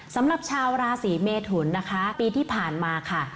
สำหรับชาวราศีเมทุนนะคะปีที่ผ่านมาค่ะ